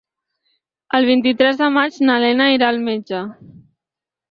El vint-i-tres de maig na Lena irà al metge.